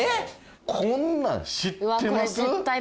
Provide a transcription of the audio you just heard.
こんなん知ってます？